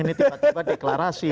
ini tiba tiba deklarasi